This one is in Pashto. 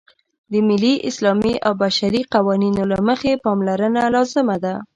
د ملي، اسلامي او بشري قوانینو له مخې پاملرنه لازمه ده.